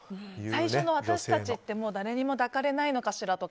最初の私たちってもう誰にも抱かれないのかしらって